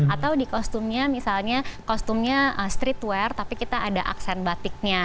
atau di kostumnya misalnya kostumnya streetwear tapi kita ada aksen batiknya